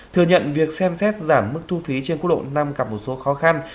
thừa nhận việc xem xét giảm mức thu phí trên quốc lộ năm gặp một số khó khăn